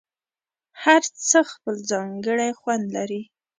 هر څه خپل ځانګړی خوند لري.